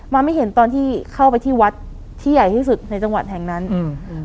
ไม่เห็นตอนที่เข้าไปที่วัดที่ใหญ่ที่สุดในจังหวัดแห่งนั้นอืม